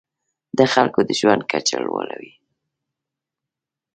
د خلکو د ژوند کچه لوړوي.